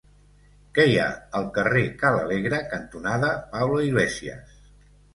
Què hi ha al carrer Ca l'Alegre cantonada Pablo Iglesias?